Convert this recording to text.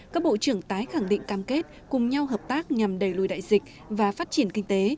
các bộ trưởng tái khẳng định cam kết cùng nhau hợp tác nhằm đẩy lùi đại dịch và phát triển kinh tế